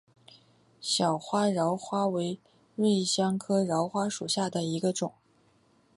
小花荛花为瑞香科荛花属下的一个种。